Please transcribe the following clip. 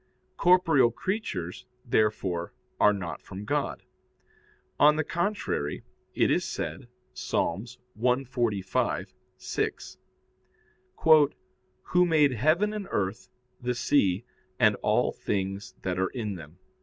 Corporeal creatures, therefore, are not from God. On the contrary, It is said (Ps. 145:6): "Who made heaven and earth, the sea, and all things that are in them."